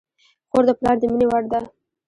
خور د پلار د مینې وړ ده.